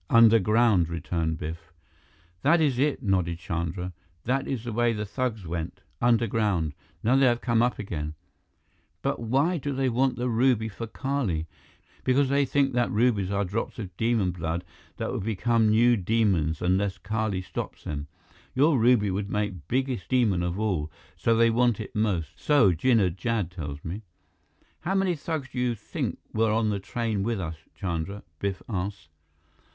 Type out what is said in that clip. "Underground," returned Biff. "That is it," nodded Chandra. "That is the way the thugs went. Underground. Now they have come up again." "But why do they want the ruby for Kali?" "Because they think that rubies are drops of demon blood that will become new demons unless Kali stops them. Your ruby would make biggest demon of all, so they want it most. So Jinnah Jad tells me." "How many thugs do you think were on the train with us, Chandra?" Biff asked.